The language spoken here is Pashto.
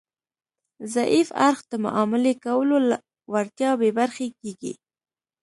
ضعیف اړخ د معاملې کولو له وړتیا بې برخې کیږي